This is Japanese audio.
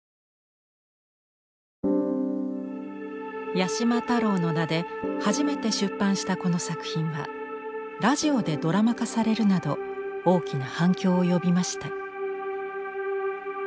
八島太郎の名で初めて出版したこの作品はラジオでドラマ化されるなど大きな反響を呼びました。